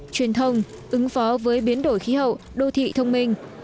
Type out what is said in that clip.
truyền thông ứng phó với biến đổi khí hậu đô thị thông minh